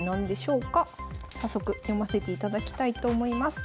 早速読ませていただきたいと思います。